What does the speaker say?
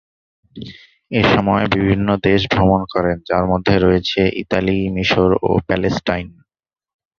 এসময় বিভিন্ন দেশ ভ্রমণ করেন যার মধ্যে রয়েছে ইতালি, মিশর ও প্যালেস্টাইন।